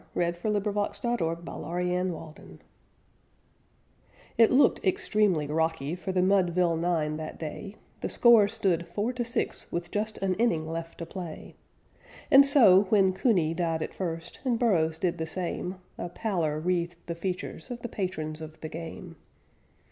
CASEY AT THE BAT BY ERNEST LAWRENCE THAYER It looked extremely rocky for the Mudville nine that day: The score stood four to six with just an inning left to play; And so, when Cooney died at first, and Burrows did the same, A pallor wreathed the features of the patrons of the game.